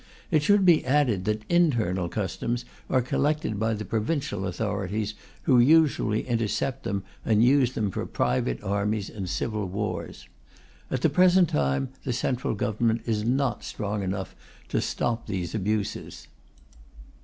It should be added that internal customs are collected by the provincial authorities, who usually intercept them and use them for private armies and civil war. At the present time, the Central Government is not strong enough to stop these abuses.